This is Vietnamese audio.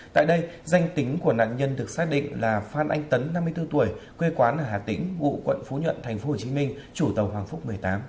tại đây danh tính của nạn nhân được xác định là phan anh tấn năm mươi bốn tuổi quê quán ở hà tĩnh ngụ quận phú nhuận tp hcm chủ tàu hoàng phúc một mươi tám